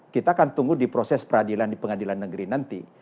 kita akan tunggu di proses peradilan di pengadilan negeri nanti